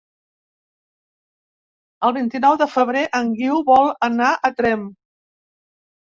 El vint-i-nou de febrer en Guiu vol anar a Tremp.